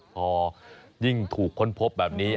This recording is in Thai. พอยิ่งถูกค้นพบแบบนี้